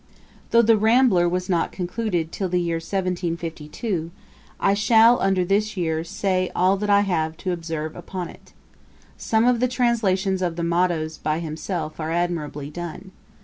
] Though the Rambler was not concluded till the year 1752, I shall, under this year, say all that I have to observe upon it. Some of the translations of the mottos by himself are admirably done.